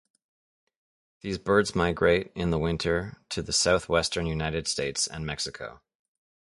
These birds migrate in the winter to the southwestern United States and Mexico.